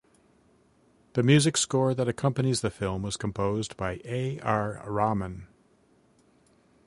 The music score that accompanies the film was composed by A. R. Rahman.